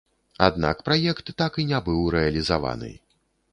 Аднак праект так і не быў рэалізаваны.